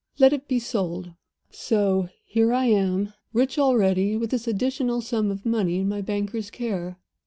Let it be sold.' "So here I am rich already with this additional sum of money in my banker's care.